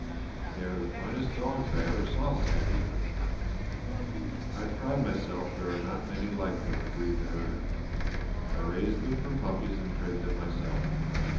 "They are the finest dogs I ever saw, Sandy." "I pride myself there are not many like them," agreed the herder. "I raised them from puppies and trained them myself.